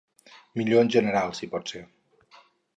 Millor en general, si pot ser.